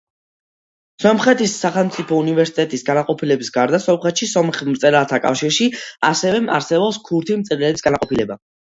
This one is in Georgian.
სომხეთის სახელმწიფო უნივერსიტეტის განყოფილების გარდა, სომხეთში სომეხ მწერალთა კავშირში ასევე არსებობს ქურთი მწერლების განყოფილება.